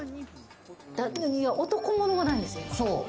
いや、男物がないんですよ。